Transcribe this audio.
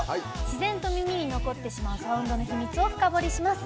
自然と耳に残ってしまうサウンドの秘密を深掘りします。